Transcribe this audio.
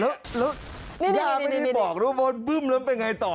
แล้วยาไม่ได้บอกทุกคนพึ่มแล้วเป็นไงต่อ